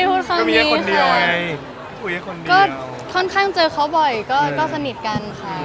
คุยค่อนข้างเจอเขาบ่อยก็สนิทกันค่ะ